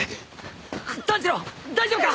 炭治郎大丈夫か！？